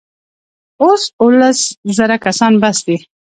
اوس اوولس زره کسان بس دي.